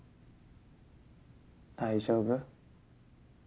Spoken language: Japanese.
大丈夫？